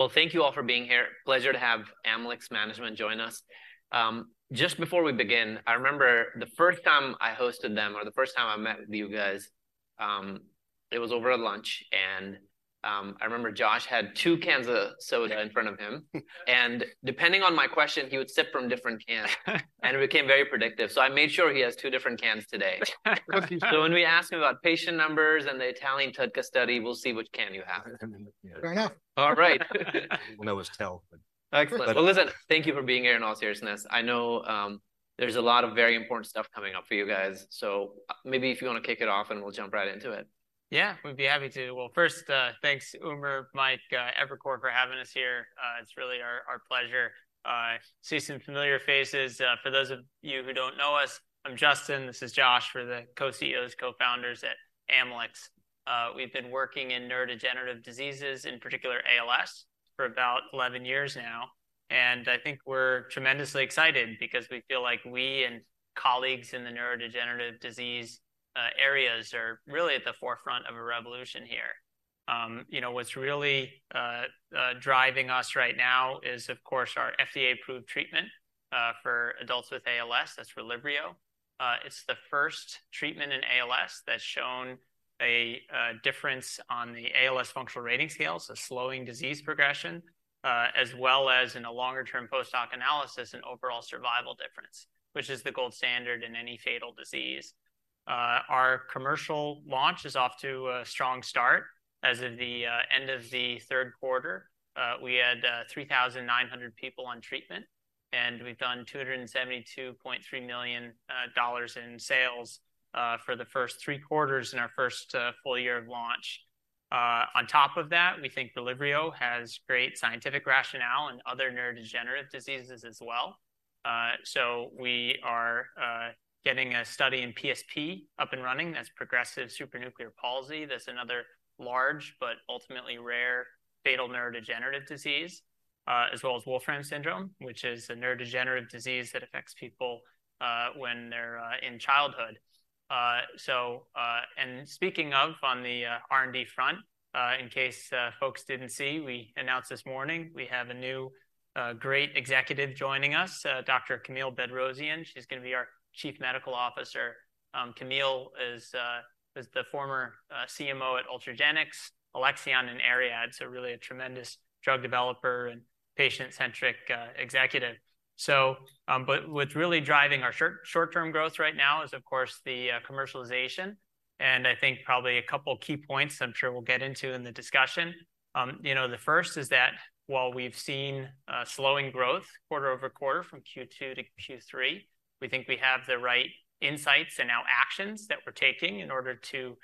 Well, thank you all for being here. Pleasure to have Amylyx management join us. Just before we begin, I remember the first time I hosted them, or the first time I met with you guys, it was over a lunch and, I remember Josh had two cans of soda in front of him. And depending on my question, he would sip from different cans, and it became very predictive. So I made sure he has two different cans today. So when we ask him about patient numbers and the Italian TUDCA study, we'll see which can you have. Fair enough. All right. We'll always tell. Excellent. Well, listen, thank you for being here, in all seriousness. I know, there's a lot of very important stuff coming up for you guys, so maybe if you want to kick it off, and we'll jump right into it. Yeah, we'd be happy to. Well, first, thanks, Umer, Mike, Evercore, for having us here. It's really our, our pleasure. I see some familiar faces. For those of you who don't know us, I'm Justin, this is Josh. We're the co-CEOs, co-founders at Amylyx. We've been working in neurodegenerative diseases, in particular ALS, for about 11 years now, and I think we're tremendously excited because we feel like we and colleagues in the neurodegenerative disease areas are really at the forefront of a revolution here. You know, what's really driving us right now is, of course, our FDA-approved treatment for adults with ALS. That's Relyvrio. It's the first treatment in ALS that's shown a difference on the ALS Functional Rating Scales, a slowing disease progression, as well as in a longer-term post-hoc analysis and overall survival difference, which is the gold standard in any fatal disease. Our commercial launch is off to a strong start. As of the end of the third quarter, we had 3,900 people on treatment, and we've done $272 million in sales for the first three quarters in our first full year of launch. On top of that, we think Relyvrio has great scientific rationale in other neurodegenerative diseases as well. So we are getting a study in PSP up and running. That's progressive supranuclear palsy. That's another large but ultimately rare fatal neurodegenerative disease, as well as Wolfram syndrome, which is a neurodegenerative disease that affects people when they're in childhood. And speaking of on the R&D front, in case folks didn't see, we announced this morning we have a new great executive joining us, Dr. Camille Bedrosian. She's going to be our Chief Medical Officer. Camille is the former CMO at Ultragenyx, Alexion, and Ariad, so really a tremendous drug developer and patient-centric executive. But what's really driving our short-term growth right now is, of course, the commercialization, and I think probably a couple of key points I'm sure we'll get into in the discussion. You know, the first is that while we've seen a slowing growth quarter-over-quarter from Q2 to Q3, we think we have the right insights and now actions that we're taking in order to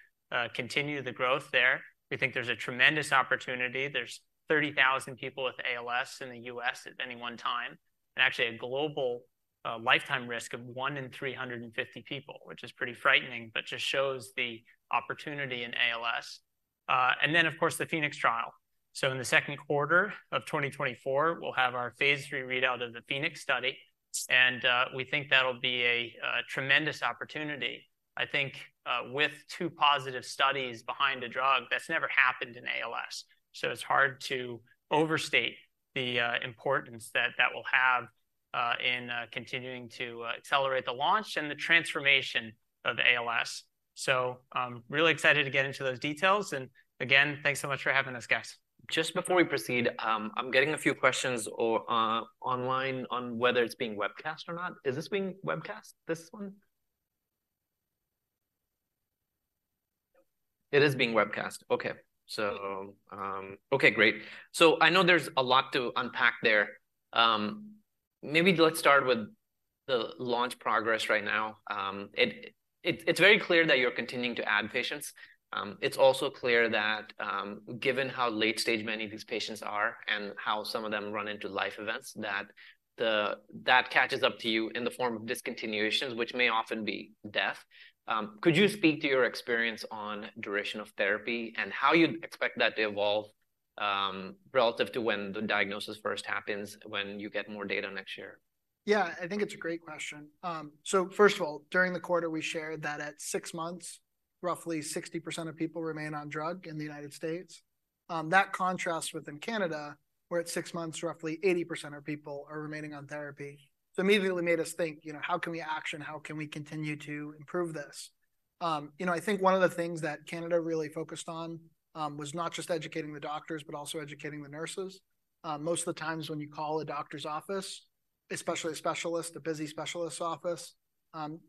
continue the growth there. We think there's a tremendous opportunity. There's 30,000 people with ALS in the U.S. at any one time, and actually a global lifetime risk of one in 350 people, which is pretty frightening, but just shows the opportunity in ALS. And then, of course, the PHOENIX trial. So in the second quarter of 2024, we'll have our phase 3 readout of the PHOENIX study, and we think that'll be a tremendous opportunity. I think with two positive studies behind a drug, that's never happened in ALS. So it's hard to overstate the importance that that will have in continuing to accelerate the launch and the transformation of ALS. So, I'm really excited to get into those details. And again, thanks so much for having us, guys. Just before we proceed, I'm getting a few questions or online on whether it's being webcast or not. Is this being webcast, this one? It is being webcast. Okay. So, okay, great. So I know there's a lot to unpack there. Maybe let's start with the launch progress right now. It, it's very clear that you're continuing to add patients. It's also clear that, given how late stage many of these patients are and how some of them run into life events, that the, that catches up to you in the form of discontinuations, which may often be death. Could you speak to your experience on duration of therapy and how you'd expect that to evolve, relative to when the diagnosis first happens, when you get more data next year? Yeah, I think it's a great question. So first of all, during the quarter, we shared that at six months, roughly 60% of people remain on drug in the United States. That contrasts with in Canada, where at six months, roughly 80% of people are remaining on therapy. So immediately made us think, you know, how can we action, how can we continue to improve this? You know, I think one of the things that Canada really focused on was not just educating the doctors, but also educating the nurses. Most of the times when you call a doctor's office, especially a specialist, a busy specialist office,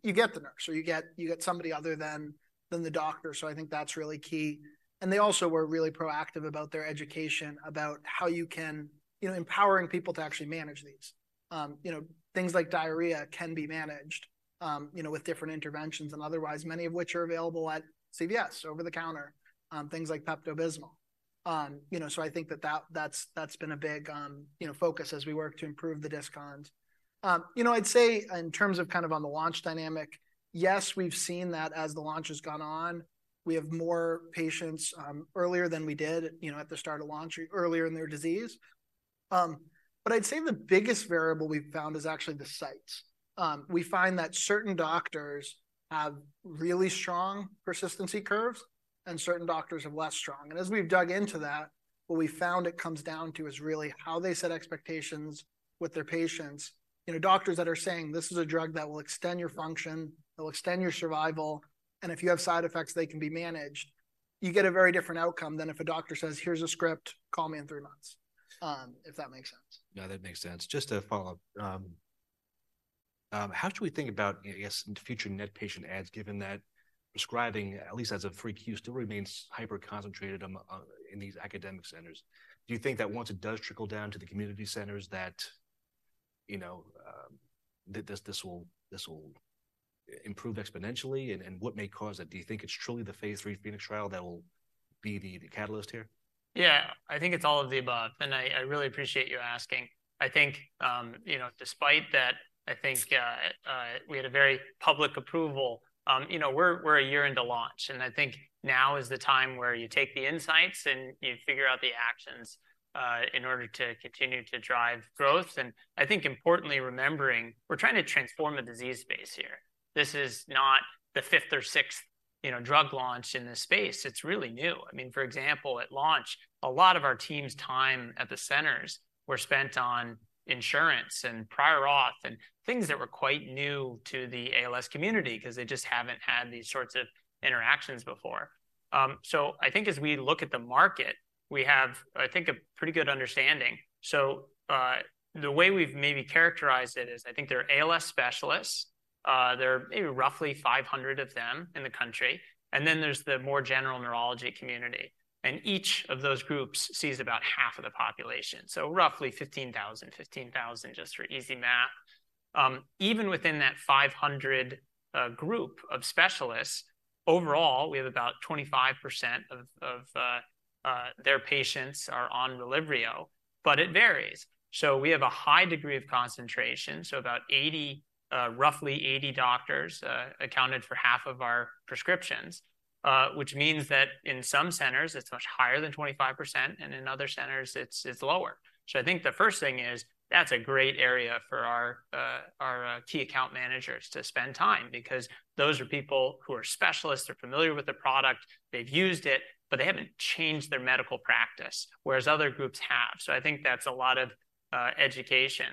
you get the nurse, or you get somebody other than the doctor. So I think that's really key. They also were really proactive about their education, about how you can, you know, empowering people to actually manage these. You know, things like diarrhea can be managed, you know, with different interventions and otherwise, many of which are available at CVS, over-the-counter, things like Pepto-Bismol. You know, so I think that's been a big, you know, focus as we work to improve the discons. You know, I'd say in terms of kind of on the launch dynamic, yes, we've seen that as the launch has gone on. We have more patients earlier than we did, you know, at the start of launch, earlier in their disease. But I'd say the biggest variable we've found is actually the sites. We find that certain doctors have really strong persistency curves, and certain doctors have less strong. As we've dug into that, what we found it comes down to is really how they set expectations with their patients. You know, doctors that are saying, "This is a drug that will extend your function, it will extend your survival, and if you have side effects, they can be managed," you get a very different outcome than if a doctor says, "Here's a script, call me in three months." If that makes sense. Yeah, that makes sense. Just to follow up, how should we think about, I guess, future net patient adds, given that prescribing, at least as a frequency, still remains hyper-concentrated on in these academic centers? Do you think that once it does trickle down to the community centers, that, you know, that this will improve exponentially, and what may cause that? Do you think it's truly the phase III PHOENIX trial that will be the catalyst here? Yeah, I think it's all of the above, and I really appreciate you asking. I think, you know, despite that, I think we had a very public approval. You know, we're a year into launch, and I think now is the time where you take the insights, and you figure out the actions in order to continue to drive growth. And I think importantly, remembering, we're trying to transform a disease space here. This is not the fifth or sixth, you know, drug launch in this space. It's really new. I mean, for example, at launch, a lot of our team's time at the centers were spent on insurance and prior auth, and things that were quite new to the ALS community because they just haven't had these sorts of interactions before. So I think as we look at the market, we have, I think, a pretty good understanding. So, the way we've maybe characterized it is, I think there are ALS specialists, there are maybe roughly 500 of them in the country, and then there's the more general neurology community, and each of those groups sees about half of the population, so roughly 15,000, 15,000, just for easy math. Even within that 500, group of specialists, overall, we have about 25% of their patients are on Relyvrio, but it varies. We have a high degree of concentration, so about 80, roughly 80 doctors, accounted for half of our prescriptions, which means that in some centers, it's much higher than 25%, and in other centers, it's lower. So I think the first thing is, that's a great area for our key account managers to spend time because those are people who are specialists, they're familiar with the product, they've used it, but they haven't changed their medical practice, whereas other groups have. I think that's a lot of education.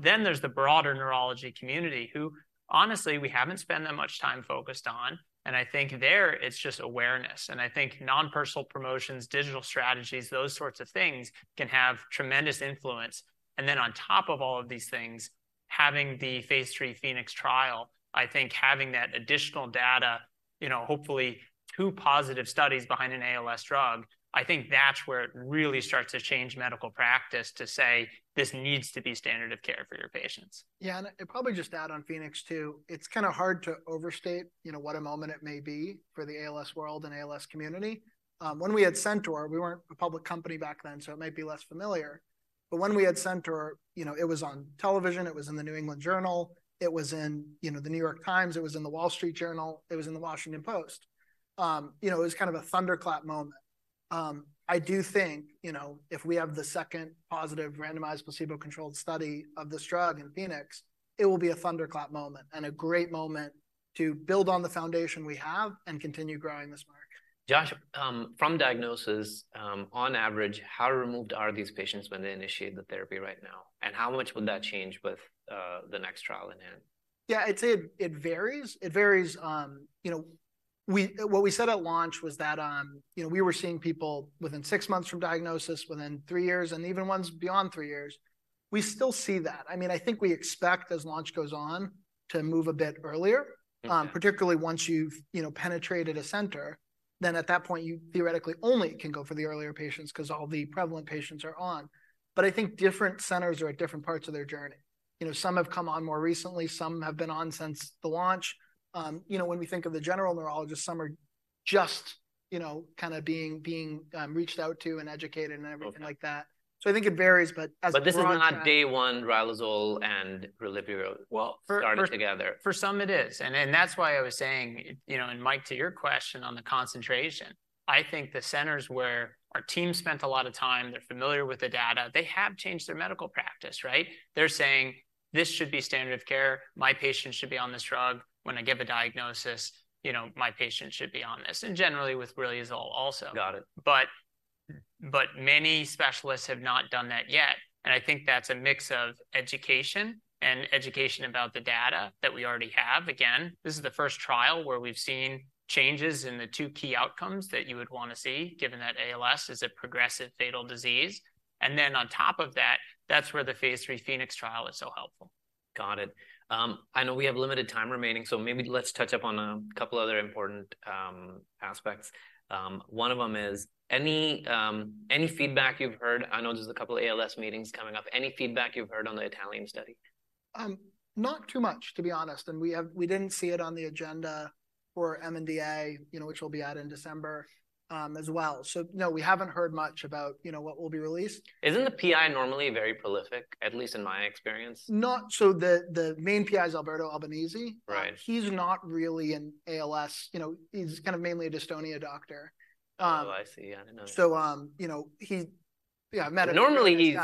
Then there's the broader neurology community, who, honestly, we haven't spent that much time focused on, and I think there, it's just awareness. I think non-personal promotions, digital strategies, those sorts of things can have tremendous influence. And then on top of all of these things, having the phase III PHOENIX trial, I think having that additional data, you know, hopefully, two positive studies behind an ALS drug, I think that's where it really starts to change medical practice to say, "This needs to be standard of care for your patients. Yeah, and I'd probably just add on PHOENIX, too. It's kinda hard to overstate, you know, what a moment it may be for the ALS world and ALS community. When we had CENTAUR, we weren't a public company back then, so it might be less familiar. But when we had CENTAUR, you know, it was on television, it was in the New England Journal, it was in, you know, The New York Times, it was in The Wall Street Journal, it was in The Washington Post. You know, it was kind of a thunderclap moment. I do think, you know, if we have the second positive, randomized, placebo-controlled study of this drug in PHOENIX, it will be a thunderclap moment and a great moment to build on the foundation we have and continue growing this market. Josh, from diagnosis, on average, how removed are these patients when they initiate the therapy right now? And how much would that change with the next trial in hand? Yeah, I'd say it varies. It varies on, you know, what we said at launch was that, you know, we were seeing people within six months from diagnosis, within three years, and even ones beyond three years. We still see that. I mean, I think we expect, as launch goes on, to move a bit earlier- Okay Particularly once you've, you know, penetrated a center, then at that point, you theoretically only can go for the earlier patients 'cause all the prevalent patients are on. But I think different centers are at different parts of their journey. You know, some have come on more recently, some have been on since the launch. You know, when we think of the general neurologist, some are just, you know, kinda being reached out to and educated and everything like that. Okay. So I think it varies, but as a broad- But this is not day one, riluzole and Relyvrio, well, starting together. For some it is, and that's why I was saying, you know, and Mike, to your question on the concentration, I think the centers where our team spent a lot of time, they're familiar with the data, they have changed their medical practice, right? They're saying, "This should be standard of care. My patients should be on this drug. When I give a diagnosis, you know, my patients should be on this." And generally, with riluzole also. Got it. But many specialists have not done that yet, and I think that's a mix of education and education about the data that we already have. Again, this is the first trial where we've seen changes in the two key outcomes that you would wanna see, given that ALS is a progressive fatal disease. And then on top of that, that's where the phase III PHOENIX trial is so helpful. Got it. I know we have limited time remaining, so maybe let's touch up on a couple other important aspects. One of them is, any feedback you've heard? I know there's a couple of ALS meetings coming up. Any feedback you've heard on the Italian study? Not too much, to be honest, and we have-- we didn't see it on the agenda for MNDA, you know, which will be out in December, as well. So no, we haven't heard much about, you know, what will be released. Isn't the PI normally very prolific, at least in my experience? So the main PI is Alberto Albanese. Right. He's not really an ALS, you know, he's kind of mainly a dystonia doctor. Oh, I see. Yeah, I didn't know this. So, you know, yeah, I met him- Normally he's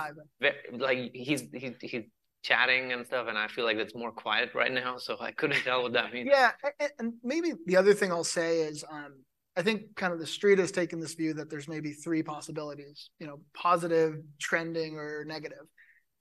like, chatting and stuff, and I feel like it's more quiet right now, so I couldn't tell what that means. Yeah, and maybe the other thing I'll say is, I think kind of the street has taken this view that there's maybe three possibilities: you know, positive, trending, or negative.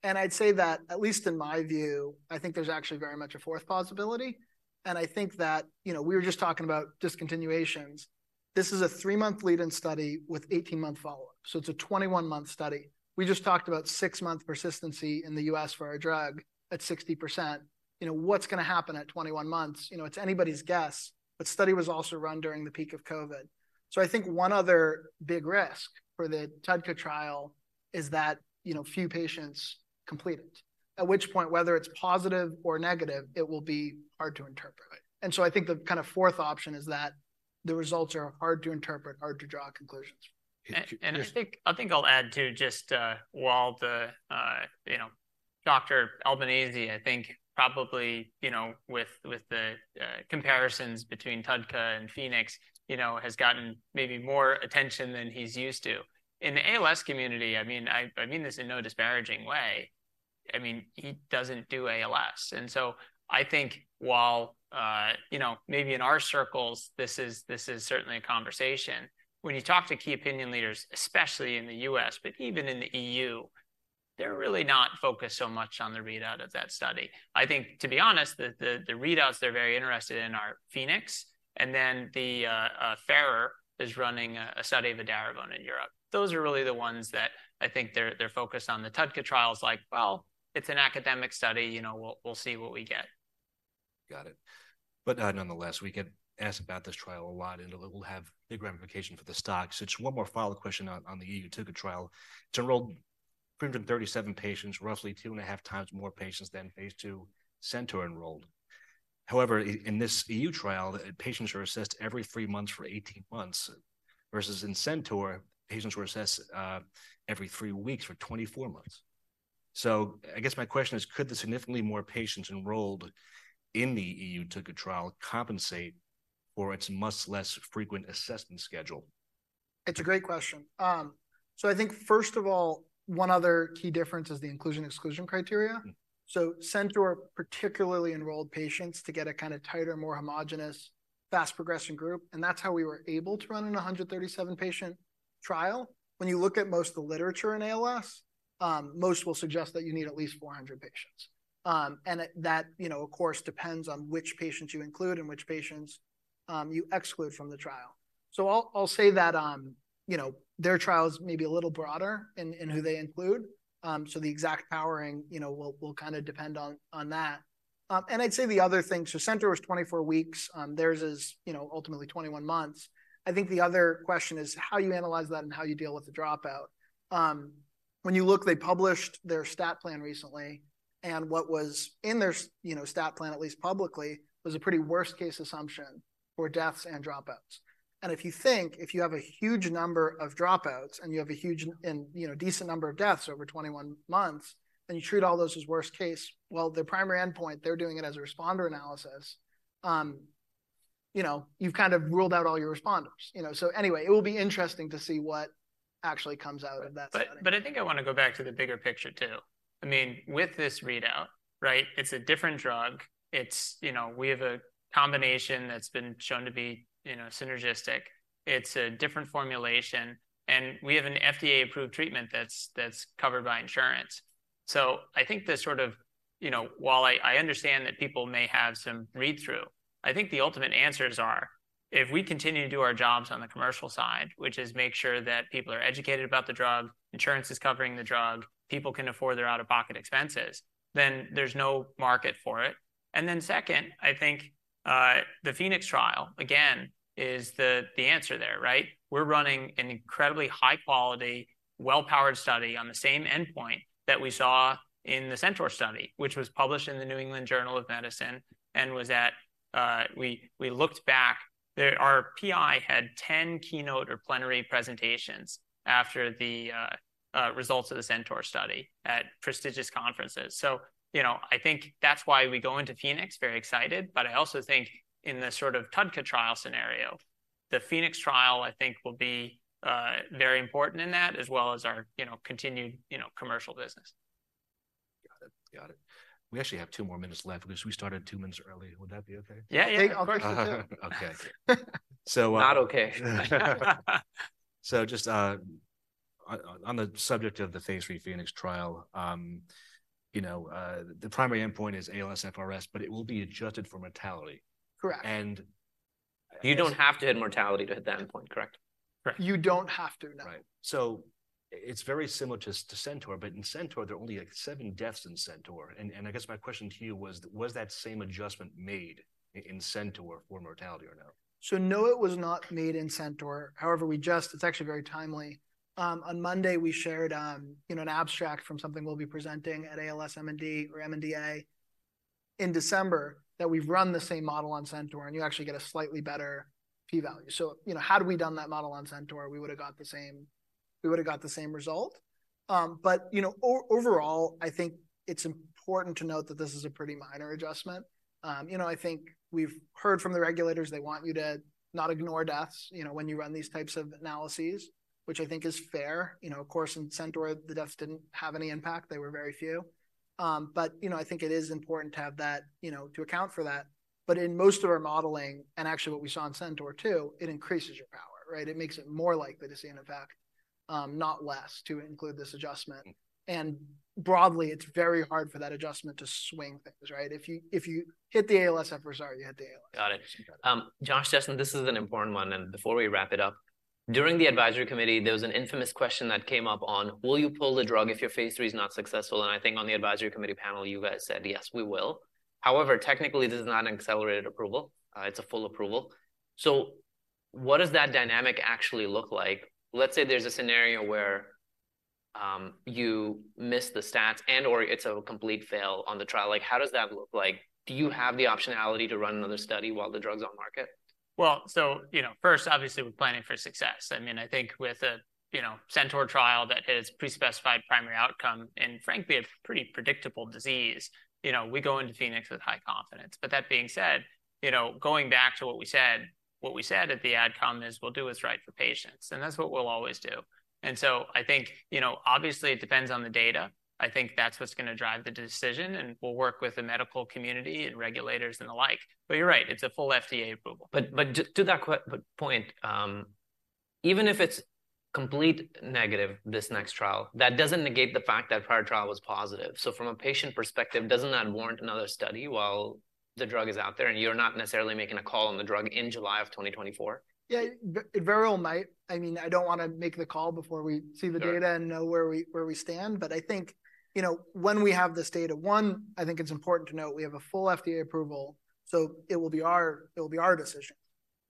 And I'd say that, at least in my view, I think there's actually very much a fourth possibility. And I think that, you know, we were just talking about discontinuations. This is a 3-month lead-in study with 18-month follow-up, so it's a 21-month study. We just talked about 6-month persistency in the US for our drug at 60%. You know, what's gonna happen at 21 months? You know, it's anybody's guess, but the study was also run during the peak of COVID. So I think one other big risk for the TUDCA trial is that, you know, few patients complete it, at which point, whether it's positive or negative, it will be hard to interpret. And so I think the kind of fourth option is that the results are hard to interpret, hard to draw conclusions. And I think, I think I'll add, too, just while the, you know, Dr. Albanese, I think probably, you know, with, with the comparisons between TUDCA and PHOENIX, you know, has gotten maybe more attention than he's used to. In the ALS community, I mean, I mean this in no disparaging way, I mean, he doesn't do ALS. And so I think while, you know, maybe in our circles, this is, this is certainly a conversation, when you talk to key opinion leaders, especially in the U.S., but even in the E.U., they're really not focused so much on the readout of that study. I think, to be honest, the readouts they're very interested in are PHOENIX, and then the Ferrer is running a study of edaravone in Europe. Those are really the ones that I think they're focused on. The TUDCA trial is like, well, it's an academic study, you know, we'll see what we get. Got it. But, nonetheless, we get asked about this trial a lot, and it'll have big ramifications for the stock. So just one more follow-up question on the EU TUDCA trial. To enroll 337 patients, roughly 2.5x more patients than phase II CENTAUR enrolled. However, in this EU trial, patients are assessed every three months for 18 months, versus in CENTAUR, patients were assessed every three weeks for 24 months. So I guess my question is: could the significantly more patients enrolled in the EU TUDCA trial compensate for its much less frequent assessment schedule? It's a great question. So I think, first of all, one other key difference is the inclusion/exclusion criteria. Mm. So CENTAUR particularly enrolled patients to get a kind of tighter, more homogenous, fast progression group, and that's how we were able to run a 137-patient trial. When you look at most of the literature in ALS, most will suggest that you need at least 400 patients. And it—that, you know, of course, depends on which patients you include and which patients you exclude from the trial. So I'll say that, you know, their trial is maybe a little broader in who they include, so the exact powering, you know, will kind of depend on that. And I'd say the other thing, so CENTAUR was 24 weeks, theirs is, you know, ultimately 21 months. I think the other question is how you analyze that and how you deal with the dropout. When you look, they published their stat plan recently, and what was in their you know, stat plan, at least publicly, was a pretty worst-case assumption for deaths and dropouts. And if you think, if you have a huge number of dropouts and you have a huge, you know, decent number of deaths over 21 months, then you treat all those as worst case. Well, the primary endpoint, they're doing it as a responder analysis, you know, you've kind of ruled out all your responders, you know. So anyway, it will be interesting to see what actually comes out of that study. But I think I want to go back to the bigger picture, too. I mean, with this readout, right, it's a different drug. It's you know, we have a combination that's been shown to be, you know, synergistic. It's a different formulation, and we have an FDA-approved treatment that's covered by insurance. So I think this sort of-- you know, while I understand that people may have some read-through, I think the ultimate answers are, if we continue to do our jobs on the commercial side, which is make sure that people are educated about the drug, insurance is covering the drug, people can afford their out-of-pocket expenses, then there's no market for it. And then second, I think, the PHOENIX trial, again, is the answer there, right? We're running an incredibly high quality, well-powered study on the same endpoint that we saw in the CENTAUR study, which was published in the New England Journal of Medicine and was at, we looked back, our PI had 10 keynote or plenary presentations after the results of the CENTAUR study at prestigious conferences. So, you know, I think that's why we go into PHOENIX very excited, but I also think in the sort of TUDCA trial scenario, the PHOENIX trial, I think, will be very important in that, as well as our, you know, continued, you know, commercial business. Got it. Got it. We actually have 2 more minutes left because we started 2 minutes early. Would that be okay? Yeah, yeah. Of course. Okay. So, Not okay. So just on the subject of the phase III PHOENIX trial, you know, the primary endpoint is ALSFRS, but it will be adjusted for mortality. Correct. And- You don't have to hit mortality to hit the endpoint, correct? Correct. You don't have to, no. Right. So it's very similar to Centaur, but in Centaur, there are only, like, seven deaths in Centaur. And I guess my question to you was: Was that same adjustment made in Centaur for mortality or no? So, no, it was not made in CENTAUR. However, we just, It's actually very timely. On Monday, we shared, you know, an abstract from something we'll be presenting at ALS, MND, or MNDA in December, that we've run the same model on CENTAUR, and you actually get a slightly better P-value. So, you know, had we done that model on CENTAUR, we would have got the same result. But, you know, overall, I think it's important to note that this is a pretty minor adjustment. You know, I think we've heard from the regulators. They want you to not ignore deaths, you know, when you run these types of analyses, which I think is fair. You know, of course, in CENTAUR, the deaths didn't have any impact. They were very few. But, you know, I think it is important to have that, you know, to account for that. But in most of our modeling, and actually what we saw in CENTAUR too, it increases your power, right? It makes it more likely to see an effect, not less, to include this adjustment. And broadly, it's very hard for that adjustment to swing things, right? If you, if you hit the ALSFRS-R, sorry, you hit the ALSFRS-R. Got it. Josh, Justin, this is an important one, and before we wrap it up, during the advisory committee, there was an infamous question that came up on: will you pull the drug if your phase III is not successful? And I think on the advisory committee panel, you guys said, "Yes, we will." However, technically, this is not an accelerated approval, it's a full approval. So what does that dynamic actually look like? Let's say there's a scenario where you miss the stats and/or it's a complete fail on the trial. Like, how does that look like? Do you have the optionality to run another study while the drug's on market? Well, so, you know, first, obviously, we're planning for success. I mean, I think with a, you know, CENTAUR trial that has pre-specified primary outcome, and frankly, a pretty predictable disease, you know, we go into PHOENIX with high confidence. But that being said, you know, going back to what we said, what we said at the Ad Com is we'll do what's right for patients, and that's what we'll always do. And so I think, you know, obviously, it depends on the data. I think that's what's gonna drive the decision, and we'll work with the medical community and regulators and the like. But you're right, it's a full FDA approval. But to that key point, even if it's completely negative, this next trial, that doesn't negate the fact that prior trial was positive. So from a patient perspective, doesn't that warrant another study while the drug is out there, and you're not necessarily making a call on the drug in July of 2024? Yeah, it very well might. I mean, I don't wanna make the call before we see the data. Sure And know where we, where we stand. But I think, you know, when we have this data, one, I think it's important to note we have a full FDA approval, so it will be our, it will be our decision,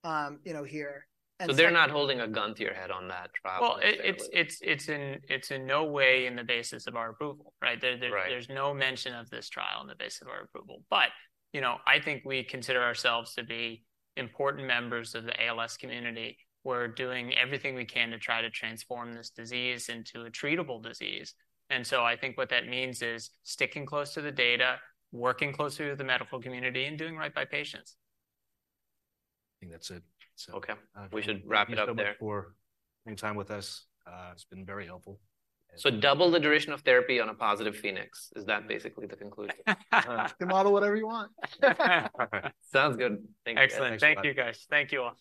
you know, here. And second- So they're not holding a gun to your head on that trial? Well, it's in no way in the basis of our approval, right? Right. There's no mention of this trial in the basis of our approval. But you know, I think we consider ourselves to be important members of the ALS community. We're doing everything we can to try to transform this disease into a treatable disease. And so I think what that means is sticking close to the data, working closely with the medical community, and doing right by patients. I think that's it. Okay. We should wrap it up there. Thank you so much for spending time with us. It's been very helpful. So double the duration of therapy on a positive PHOENIX, is that basically the conclusion? You can model whatever you want. Sounds good. Thank you. Excellent. Thank you, guys. Thank you, all.